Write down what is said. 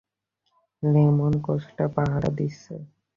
Lemon কেসটা পাহারা দিচ্ছে।